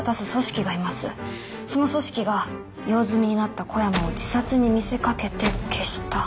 その組織が用済みになった小山を自殺に見せかけて消した。